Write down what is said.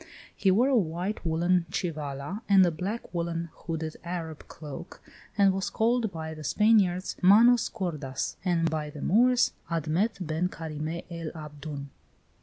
He wore a white woollen chivala and a black woollen, hooded Arab cloak, and was called by the Spaniards, Manos gordas, and by the Moors, Admet Ben Carime el Abdoun.